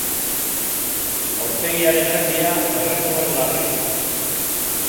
Aurpegiaren erdia erre nuen larri.